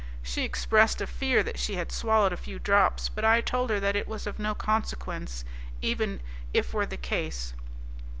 She expressed a fear that she had swallowed a few drops, but I told her that it was of no consequence, even if were the case.